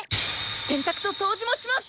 洗濯と掃除もします！